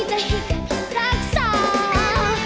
จะเห็นรักษา